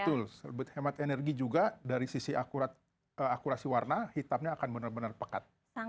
betul hemat energi juga dari sisi akurasi warna hitamnya akan benar benar pekat